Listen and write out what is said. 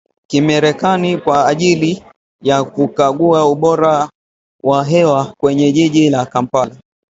kimerekani kwa ajili ya kukagua ubora wa hewa kwenye jiji la Kampala